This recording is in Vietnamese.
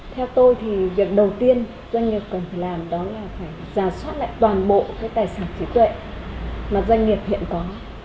theo tôi thì việc đầu tiên doanh nghiệp cần phải làm đó là phải giả soát lại toàn bộ cái tài sản trí tuệ mà doanh nghiệp hiện có